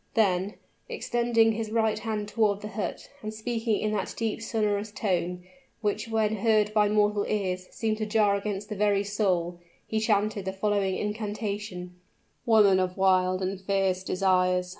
Then, extending his right hand toward the hut, and speaking in that deep sonorous tone, which when heard by mortal ears, seemed to jar against the very soul, he chanted the following incantation: "Woman of wild and fierce desires!